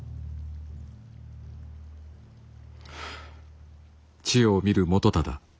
はあ。